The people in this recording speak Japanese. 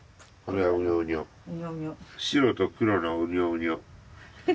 「白と黒のうにょうにょ」。